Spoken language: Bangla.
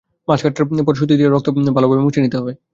মাছ কাটার পর সুতি কাপড় দিয়ে রক্ত ভালোভাবে মুছে নিতে হবে।